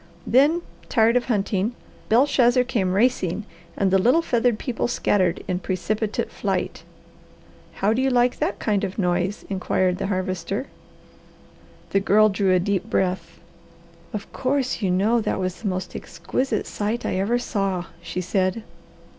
Then, tired of hunting, Belshazzar came racing and the little feathered people scattered in precipitate flight. "How do you like that kind of a noise?" inquired the Harvester. The Girl drew a deep breath. "Of course you know that was the most exquisite sight I ever saw," she said.